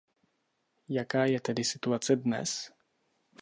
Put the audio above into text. Jaká je tedy situace dnes?